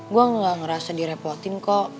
gue gak ngerasa direpotin kok